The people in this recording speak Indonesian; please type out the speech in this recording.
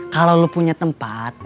kalau lo punya tempat